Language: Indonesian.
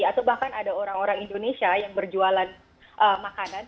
atau bahkan ada orang orang indonesia yang berjualan makanan